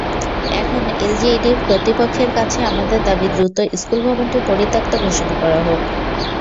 এখন এলজিইডি কর্তৃপক্ষের কাছে আমাদের দাবি, দ্রুত স্কুল ভবনটি পরিত্যক্ত ঘোষণা করা হোক।